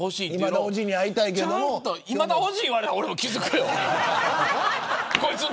今田おぢって言われたら俺も気付くよ。